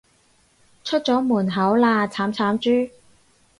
出咗門口喇，慘慘豬